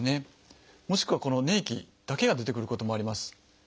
もしくはこの粘液だけが出てくることもあります。